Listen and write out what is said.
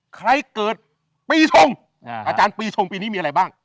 ใครเกิดปีชงอาจารย์ปีชงปีนี้มีอะไรบ้าง